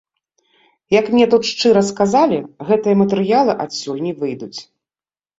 Як мне тут шчыра сказалі, гэтыя матэрыялы адсюль не выйдуць.